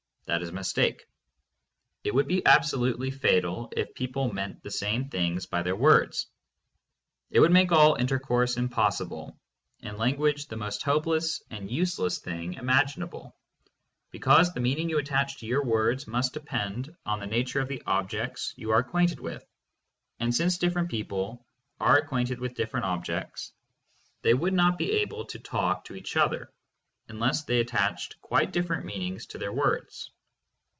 That is a mistake. It would be absolutely fatal if people meant the same things by their words. It would make all intercourse impossible, and language the most hopeless and useless thing imagin able, because the meaning you attach to your words must depend on the nature of the objects you are acquainted with, and since different people are acquainted with dif ferent objects, they would not be able to talk to each other unless they attached quite different meanings to their words.